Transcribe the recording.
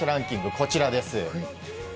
こちらです。